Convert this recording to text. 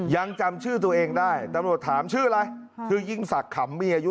ยังจำชื่อตัวเองได้ตำรวจถามชื่ออะไรชื่อยิ่งศักดิ์ขำมีอายุ